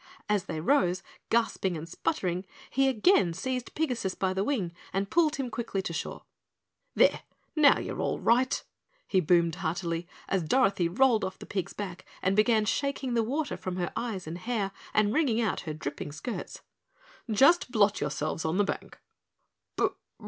As they rose, gasping and sputtering, he again seized Pigasus by the wing and pulled him quickly to shore. "There, now you're all right," he boomed heartily as Dorothy rolled off the pig's back and began shaking the water from her eyes and hair and wringing out her dripping skirts. "Just blot yourselves on the bank!"